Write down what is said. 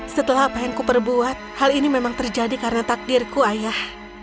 setelah apa yang kuperbuat hal ini memang terjadi karena takdirku ayah